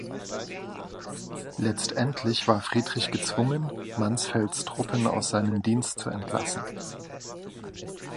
Letztendlich war Friedrich gezwungen, Mansfelds Truppen aus seinem Dienst zu entlassen.